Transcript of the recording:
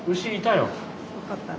よかったら。